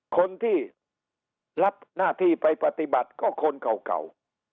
คนที่รับหน้าที่ไปปฏิบัติก็คนเก่า